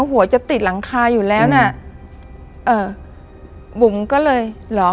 หัวจะติดหลังคาอยู่แล้วน่ะเออบุ๋มก็เลยเหรอ